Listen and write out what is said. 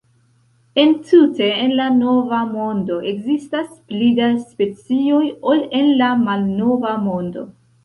Entute en la Nova Mondo ekzistas pli da specioj ol en la Malnova Mondo.